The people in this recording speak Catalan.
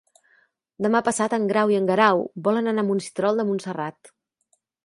Demà passat en Grau i en Guerau volen anar a Monistrol de Montserrat.